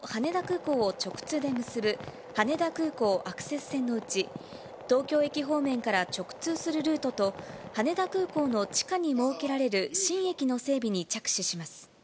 ＪＲ東日本は、都心と羽田空港を直通で結ぶ、羽田空港アクセス線のうち、東京駅方面から直通するルートと、羽田空港の地下に設けられる新駅の整備に着手します。